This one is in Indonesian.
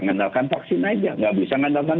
mengandalkan vaksin aja nggak bisa ngandalkan